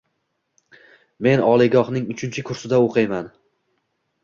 Men oliygohning uchinchi kursida o’qiyman.